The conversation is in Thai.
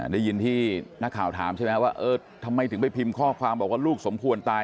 ได้ยินที่นักข่าวถามใช่ไหมว่าเออทำไมถึงไปพิมพ์ข้อความบอกว่าลูกสมควรตาย